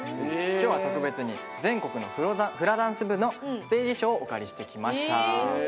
きょうは特別に全国のフラダンス部のステージ衣装をお借りしてきました。